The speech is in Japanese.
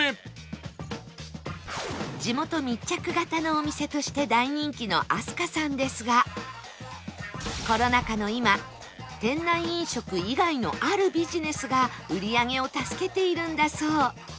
地元密着型のお店として大人気の飛鳥さんですがコロナ禍の今店内飲食以外のあるビジネスが売り上げを助けているんだそう